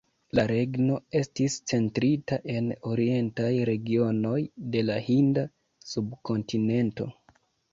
La regno estis centrita en orientaj regionoj de la Hinda Subkontinento.